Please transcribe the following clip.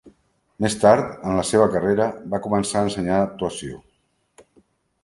Més tar en la serva carrera va començar a ensenyar actuació.